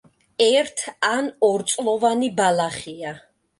ერთ ან ორწლოვანი ბალახია.